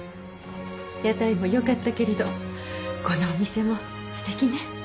屋台もよかったけれどこのお店もすてきね。